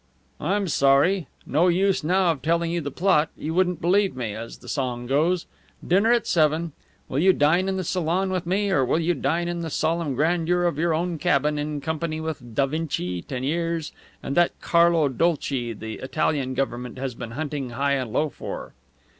"I'm sorry. No use now of telling you the plot; you wouldn't believe me, as the song goes. Dinner at seven. Will you dine in the salon with me, or will you dine in the solemn grandeur of your own cabin, in company with Da Vinci, Teniers, and that Carlo Dolci the Italian Government has been hunting high and low for?"